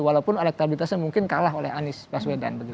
walaupun elektabilitasnya mungkin kalah oleh anies baswedan